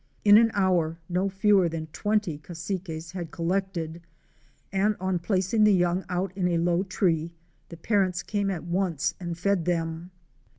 In an hour no fewer than twenty Cassiques had collected, and on placing the young out in a low tree, the parents came at once and fed them.